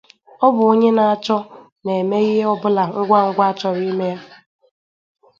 Ọbụ onye n'achọ na emee ihe ọbụla ngwa ngwa achọrọ ime ya.